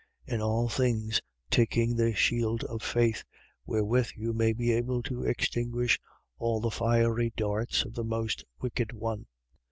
6:16. In all things taking the shield of faith, wherewith you may be able to extinguish all the fiery darts of the most wicked one.